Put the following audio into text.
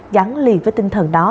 gắn liền với tinh thần đó